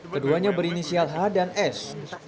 keduanya berinisial h dan s